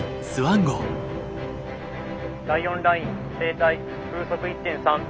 「第４ライン正対風速１．３」。